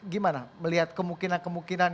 gimana melihat kemungkinan kemungkinan